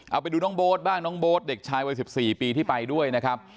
เอาไปดูน้องโบ๊ทบ้างน้องโบ๊ทเด็กชายวัย๑๔ปีที่ไปด้วยนะครับ